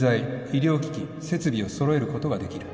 医療機器設備を揃えることができる